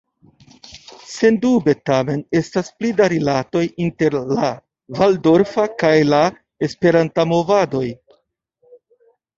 Sendube tamen estas pli da rilatoj inter la valdorfa kaj la esperanta movadoj.